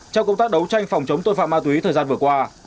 trong công tác đấu tranh phòng chống tội phạm ma túy thời gian vừa qua